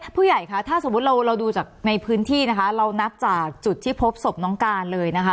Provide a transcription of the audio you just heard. ผู้ใหญ่คะถ้าสมมุติเราเราดูจากในพื้นที่นะคะเรานับจากจุดที่พบศพน้องการเลยนะคะ